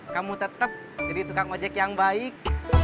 kamu tetap jadi tukang ojek yang baik